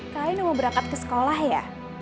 kalian mau berangkat ke sekolah ya